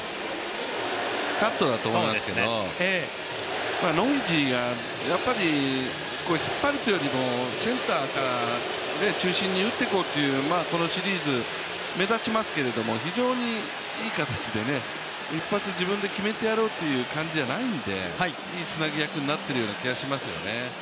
カットだと思うんですけどノイジーが引っ張るというよりもセンターから中心に打っていこうっていうこのシリーズ、目立ちますけど非常にいい形でね、一発自分で決めてやろうっていう感じじゃないんでいいつなぎ役になっているような気がしますよね。